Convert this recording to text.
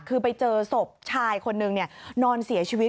คือไปเจอศพชายคนนึงนอนเสียชีวิต